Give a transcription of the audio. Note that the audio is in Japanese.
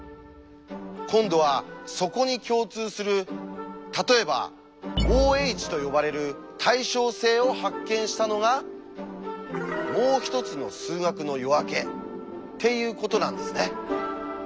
今度はそこに共通する例えば「Ｏ」と呼ばれる「対称性」を発見したのが「もう一つの数学の夜明け」っていうことなんですね。